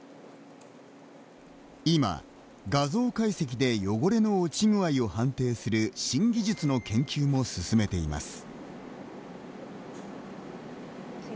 今、画像解析で汚れの落ち具合を判定する新技術の研究も進めています。